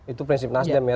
itu prinsip nasdem ya